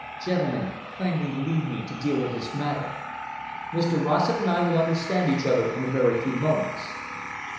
"Gentlemen, kindly leave me to deal with this matter. Mr Rossett and I will understand each other in a very few moments."